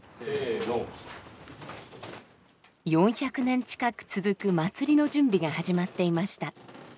４００年近く続く祭りの準備が始まっていました。